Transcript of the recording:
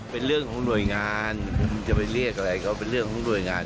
เป็นเรื่องของหน่วยงานจะไปเรียกอะไรก็เป็นเรื่องของหน่วยงาน